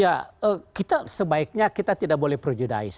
ya kita sebaiknya kita tidak boleh projudise